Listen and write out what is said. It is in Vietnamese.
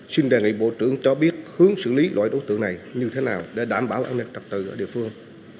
xin đề nghị bộ trưởng cho biết hướng xử lý loại đối tượng này như thế nào để đảm bảo an ninh trật tự ở địa phương